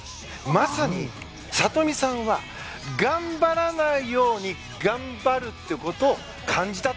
まさに、聡美さんは頑張らないように頑張るということを感じた。